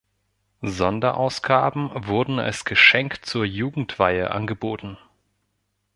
Sonderausgaben wurden als Geschenk zur Jugendweihe angeboten.